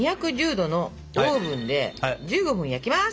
℃のオーブンで１５分焼きます！